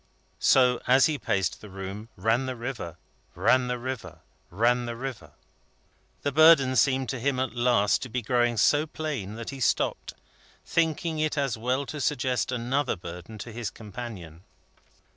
So, as he paced the room, ran the river, ran the river, ran the river. The burden seemed to him, at last, to be growing so plain, that he stopped; thinking it as well to suggest another burden to his companion.